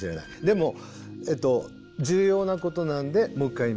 でも重要なことなんでもう一回言いますね。